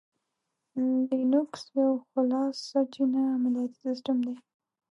لینوکس یو خلاصسرچینه عملیاتي سیسټم دی.